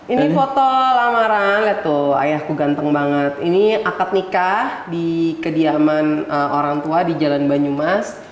ini foto lamaran tuh ayahku ganteng banget ini akad nikah di kediaman orang tua di jalan banyumas